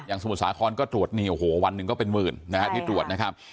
สมุทรสาครก็ตรวจนี่โอ้โหวันหนึ่งก็เป็นหมื่นนะฮะที่ตรวจนะครับ